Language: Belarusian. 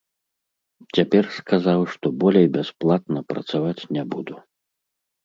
Цяпер сказаў, што болей бясплатна працаваць не буду.